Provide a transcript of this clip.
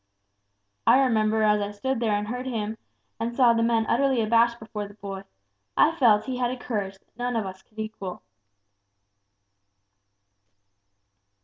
I remember as I stood there and heard him, and saw the men utterly abashed before the boy, I felt he had a courage that none of us could equal."